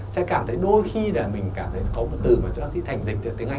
sẽ cảm thấy đôi khi là mình cảm thấy có một từ mà cho bác sĩ thành dịch từ tiếng anh